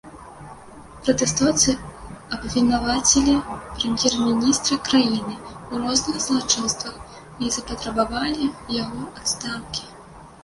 Пратэстоўцы абвінавацілі прэм'ер-міністра краіны ў розных злачынствах і запатрабавалі яго адстаўкі.